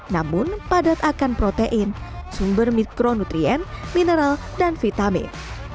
namun padat akan protein sumber mikronutrien mineral dan vitamin